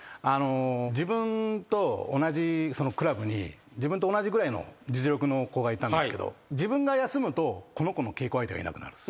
自分と同じクラブに自分と同じぐらいの実力の子がいたんですけど自分が休むとこの子の稽古相手がいなくなる。